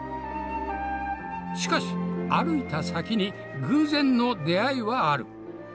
しかし歩いた先に偶然の出会いはある。